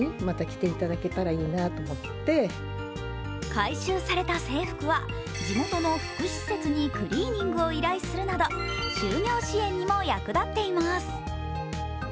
回収された制服は地元の福祉施設にクリーニングを依頼するなど就業支援にも役立っています。